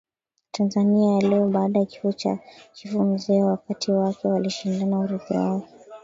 Tanzania ya leoBaada ya kifo cha chifu mzee watoto wake walishindania urithi wake